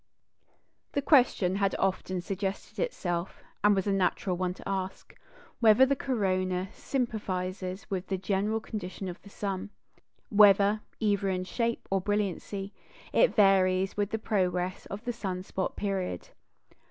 The question had often suggested itself, and was a natural one to ask, whether the corona sympathises with the general condition of the sun? whether, either in shape or brilliancy, it varies with the progress of the sun spot period?